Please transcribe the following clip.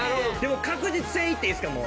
確実性いっていいですか？